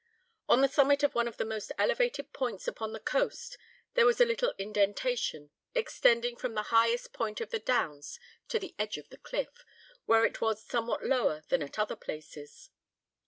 On the summit of one of the most elevated points upon the coast there was a little indentation, extending from the highest point of the downs to the edge of the cliff, where it was somewhat lower than at other places.